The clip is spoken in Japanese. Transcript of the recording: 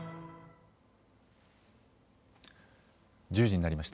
１０時になりました。